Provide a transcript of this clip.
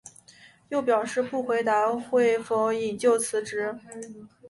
又表示不回应会否引咎辞职。